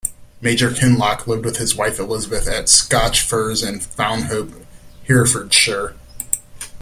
Major Kinloch lived with his wife Elizabeth at Scotch Firs in Fownhope, Herefordshire.